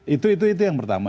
itu itu itu yang pertama